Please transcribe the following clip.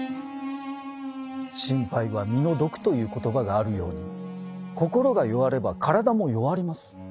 「心配は身の毒」という言葉があるように心が弱れば体も弱ります。